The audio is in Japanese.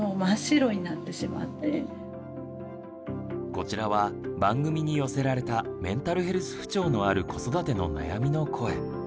こちらは番組に寄せられたメンタルヘルス不調のある子育ての悩みの声。